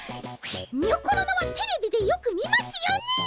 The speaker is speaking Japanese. にょころのはテレビでよく見ますよねえ。